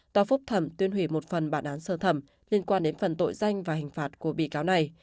tòa phúc thẩm tuyên hủy một phần bản án sơ thẩm liên quan đến phần tội danh và hình phạt của bị cáo này